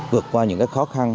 vượt qua những khó khăn